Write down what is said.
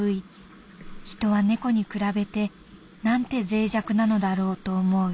人は猫に比べてなんて脆弱なのだろうと思う。